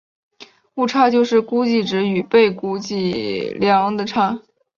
误差就是估计值与被估计量的差。